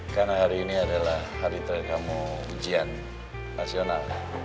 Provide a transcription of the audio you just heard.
karena hari ini adalah hari terakhir kamu ujian nasional